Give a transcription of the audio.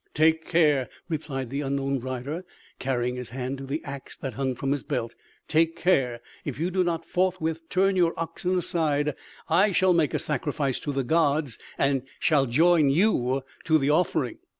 "Take care!" replied the unknown rider carrying his hand to the axe that hung from his belt. "Take care!... If you do not forthwith turn your oxen aside, I shall make a sacrifice to the gods, and shall join you to the offering!"